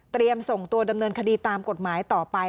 ส่งตัวดำเนินคดีตามกฎหมายต่อไป